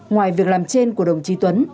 ngoài việc làm trên của đồng trí tuấn